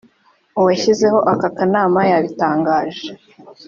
washyizeho aka kanama yabitangaje